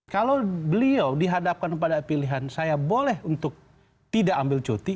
kalau beliau dihadapkan pada pilihan saya boleh untuk tidak ambil cuti